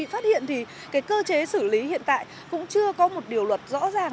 và bị phát hiện thì cái cơ chế xử lý hiện tại cũng chưa có một điều luật rõ ràng